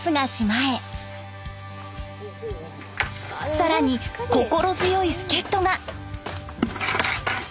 更に心強い助っとが。